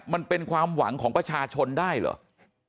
มันเป็นความหวังของประชาชนได้เหรอ